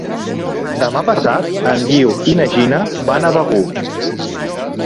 Demà passat en Guiu i na Gina van a Begur.